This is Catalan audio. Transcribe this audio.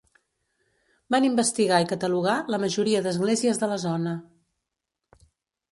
Van investigar i catalogar la majoria d'esglésies de la zona.